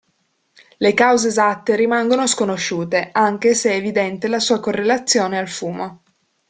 Le cause esatte rimangono sconosciute, anche se è evidente la sua correlazione al fumo.